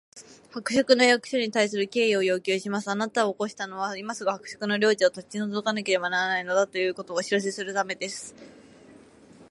「伯爵の役所に対する敬意を要求します！あなたを起こしたのは、今すぐ伯爵の領地を立ち退かなければならないのだ、ということをお知らせするためです」